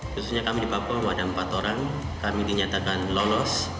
khususnya kami di papua ada empat orang kami dinyatakan lolos